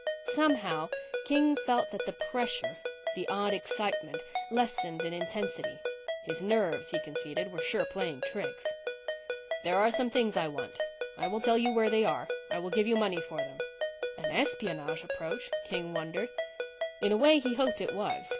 Somehow King felt that the pressure, the odd excitement, lessened in intensity. His nerves, he conceded, were sure playing tricks. "There are some things I want. I will tell you where they are. I will give you money for them." An espionage approach? King wondered. In a way, he hoped it was.